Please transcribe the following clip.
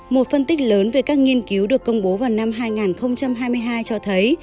một phân tích lớn về các nghiên cứu được công bố vào năm hai nghìn hai mươi hai cho thấy